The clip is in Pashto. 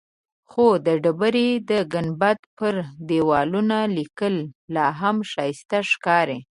خو د ډبرې د ګنبد پر دیوالونو لیکنې لاهم ښایسته ښکاري.